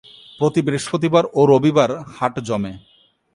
প্রতি বৃহস্পতিবার ও রবিবার হাট জমে।